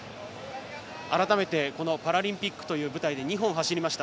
改めてこのパラリンピックという舞台で２本走りました。